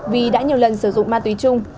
vì đã nhiều lần sử dụng ma túy chung